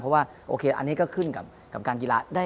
เพราะว่าโอเคอันนี้ก็ขึ้นกับการกีฬา